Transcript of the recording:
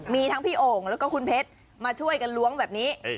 มีทั้งพี่โอ่งแล้วก็คุณเพชรมาช่วยกันล้วงแบบนี้